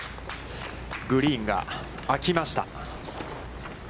グリーンが、あきました。